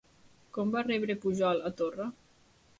Com va rebre Pujol a Torra?